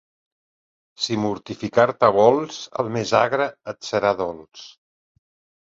Si mortificar-te vols, el més agre et serà dolç.